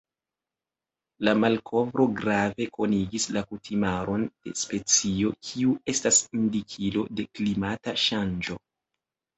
La malkovro grave konigis la kutimaron de specio kiu estas indikilo de klimata ŝanĝo.